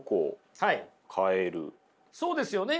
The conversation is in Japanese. そうですよね。